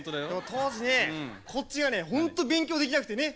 当時ねこっちがねほんと勉強できなくてね。